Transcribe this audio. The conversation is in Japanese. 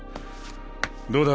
どうだ？